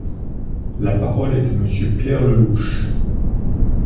La parole est à Monsieur Pierre Lellouche.